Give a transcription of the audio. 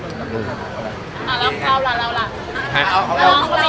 เราเราล่ะ